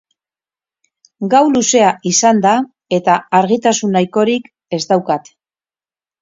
Gau luzea izan da eta argitasun nahikorik ez daukat.